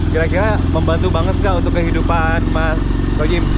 kira kira membantu banget nggak untuk kehidupan mas royim